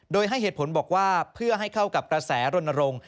โดยให้เหตุผลบอกว่าเพื่อให้เข้ากับกระแสรณรงค์